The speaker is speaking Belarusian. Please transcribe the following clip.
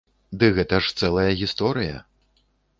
Ды гэта ж цэлая гісторыя.